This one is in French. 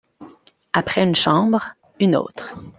Après une chambre, une autre.